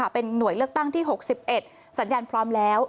เป็นหน่วยเลือกตั้งที่๖๑สัญญาณพร้อมแล้ว